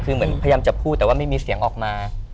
คือเหมือนพยายามจะพูดแต่ว่าไม่มีเสียงออกมา